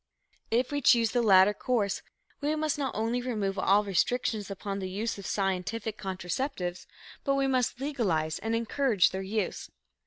If we choose the latter course, we must not only remove all restrictions upon the use of scientific contraceptives, but we must legalize and encourage their use.